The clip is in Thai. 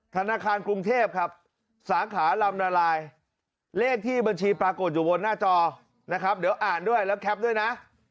ธนาคารกรุงเทพครับสาขาลำนาลายเลขที่บัญชีปรากฏอยู่บนหน้าจอนะครับเดี๋ยวอ่านด้วยแล้วแคปด้วยนะ